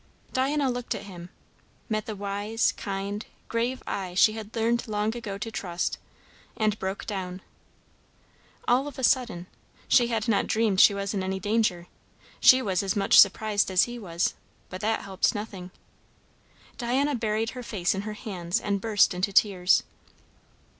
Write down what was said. Diana looked at him, met the wise, kind, grave eye she had learned long ago to trust, and broke down. All of a sudden; she had not dreamed she was in any danger; she was as much surprised as he was; but that helped nothing. Diana buried her face in her hands and burst into tears.